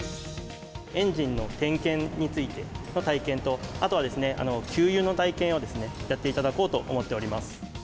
エンジンの点検についての体験と、あとは給油の体験をやっていただこうと思っております。